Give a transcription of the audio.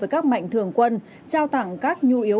với các mạnh thường quân chuẩn bị với mạnh thường quân chống dịch